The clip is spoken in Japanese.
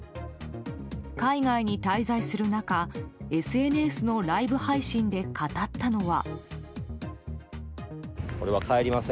海外に滞在する中ＳＮＳのライブ配信で語ったのは。